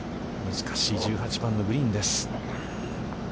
難しい１８番のグリーンです。